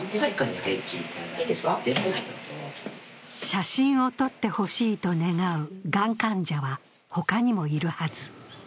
写真を撮ってほしいと願うがん患者は他にもいるはず。